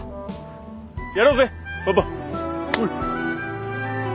やろうぜパパ！